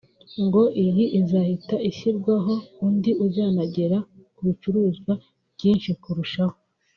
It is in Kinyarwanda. ngo iyi izahita ishyiraho undi uzanagera ku bicuruzwa byinshi kurushaho